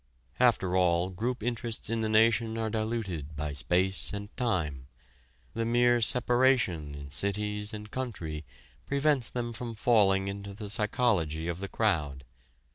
After all group interests in the nation are diluted by space and time: the mere separation in cities and country prevents them from falling into the psychology of the crowd.